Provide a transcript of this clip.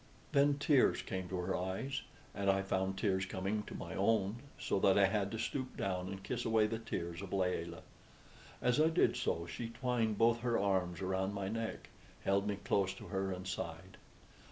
Then tears came to her eyes, and I found tears coming to my own, so that I had to stoop down and kiss away the tears of Layelah. As I did so she twined both her arms around my neck, held me close to her, and sighed.